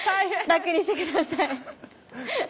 楽にして下さい。